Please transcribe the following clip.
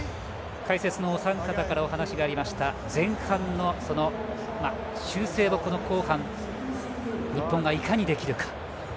解説のお三方からお話があった前半の修正を、この後半日本がいかにできるか。